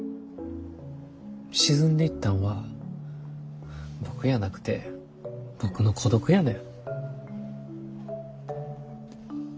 沈んでいったんは僕やなくて僕の孤独やねん。